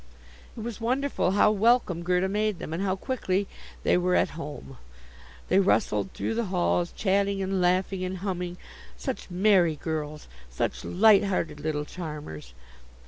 It was wonderful how welcome Gerda made them, and how quickly they were "at home." They rustled through the halls, chatting and laughing and humming. Such merry girls! Such light hearted little charmers!